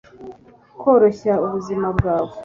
koroshya ubuzima bwawe